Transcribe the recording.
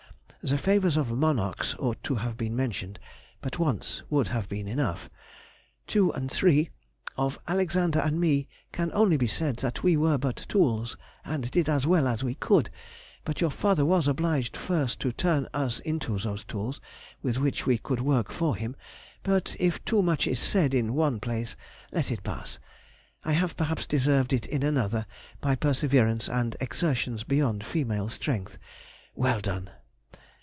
The favours of monarchs ought to have been mentioned, but once would have been enough. (2 & 3.) Of Alexander and me can only be said that we were but tools, and did as well as we could; but your father was obliged first to turn us into those tools with which we could work for him; but if too much is said in one place let it pass; I have, perhaps, deserved it in another by perseverance and exertions beyond female strength! Well done!